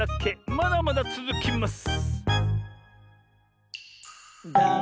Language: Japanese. まだまだつづきます。